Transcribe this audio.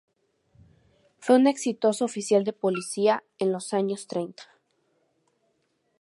Fue un exitoso oficial de policía en los años treinta.